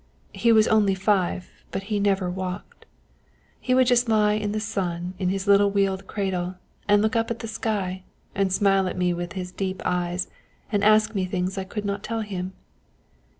He was only five, but he never walked. He would just lie in the sun in his little wheeled cradle and look up at the sky and smile at me with his deep eyes and ask me things I could not tell him.